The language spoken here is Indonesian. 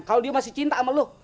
kalo dia masih cinta sama lu